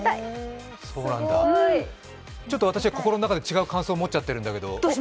私は心の中で違う感想を持っちゃってるんだけど。